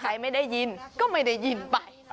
ใครไม่ได้ยินก็ไม่ได้ยินไป